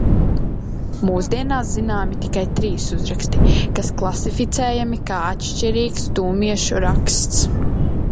Mūsdienās zināmi tikai trīs uzraksti, kas klasificējami kā atšķirīgs Dūmiešu raksts.